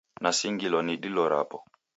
Nasingilwagha ni dilo rapo.